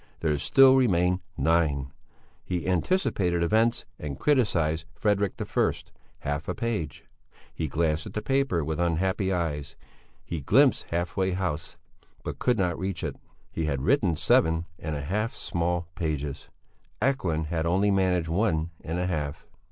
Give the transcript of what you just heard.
There still remained nine. He anticipated events and criticised Frederick I. Half a page! He glanced at the paper with unhappy eyes; he glimpsed half way house, but could not reach it. He had written seven and a half small pages; Ekelund had only managed one and a half.